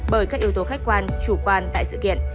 bởi các yếu tố khách quan chủ quan tại sự kiện